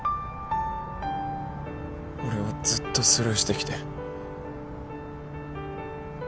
俺はずっとスルーしてきて。